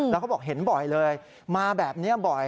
แล้วเขาบอกเห็นบ่อยเลยมาแบบนี้บ่อย